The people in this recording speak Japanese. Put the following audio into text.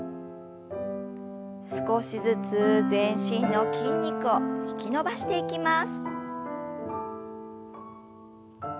少しずつ全身の筋肉を引き伸ばしていきます。